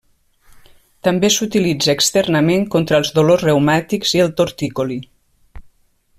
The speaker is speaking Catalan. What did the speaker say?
També s'utilitza externament contra els dolors reumàtics i el torticoli.